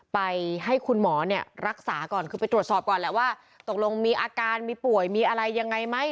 ไปให้คุณหมอเนี่ยรักษาก่อนคือไปตรวจสอบก่อนแหละว่าตกลงมีอาการมีป่วยมีอะไรยังไงไหม